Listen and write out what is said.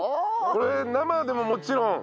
これ生でももちろん。